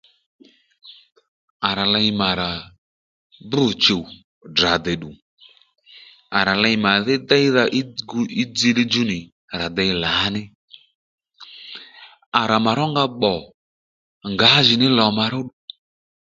À rà ley mà rà bû chùw Ddrà dèddù à rà ley màdhí déydha í ngu í dziylíy djú nì rà dey lǎní à rà mà rónga pbò ngǎjìní lò mà róddù